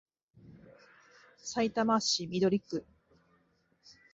さいたま市緑区